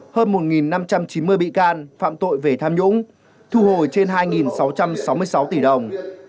hơn một năm trăm chín mươi bị can phạm tội về tham nhũng thu hồi trên hai sáu trăm sáu mươi sáu tỷ đồng